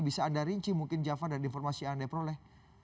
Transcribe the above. bisa anda rinci mungkin jafar dari informasi yang anda peroleh